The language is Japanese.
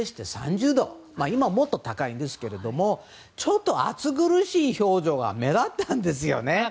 今、もっと高いんですけれどもちょっと暑苦しい表情が目立ったんですよね。